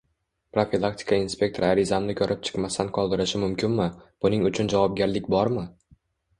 Profilaktika inspektori arizamni ko‘rib chiqmasdan qoldirishi mumkinmi? Buning uchun javobgarlik bormi?